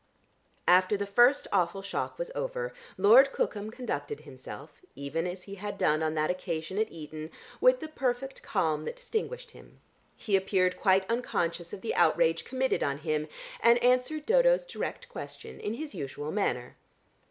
After the first awful shock was over, Lord Cookham conducted himself (even as he had done on that occasion at Eton) with the perfect calm that distinguished him. He appeared quite unconscious of the outrage committed on him, and answered Dodo's direct question in his usual manner.